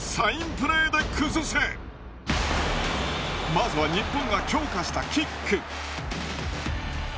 まずは日本が強化したキック。